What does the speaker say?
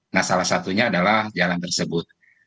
nah salah satunya adalah jalan tersebut